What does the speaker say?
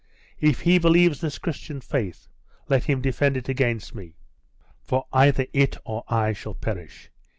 If he believes this Christian faith, let him defend it against me; for either it or I shall perish.